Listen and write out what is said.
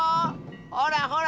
ほらほら！